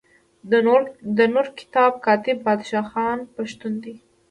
د نور کتاب کاتب بادشاه خان پښتون دی.